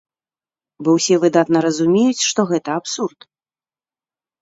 Бо ўсе выдатна разумеюць, што гэта абсурд.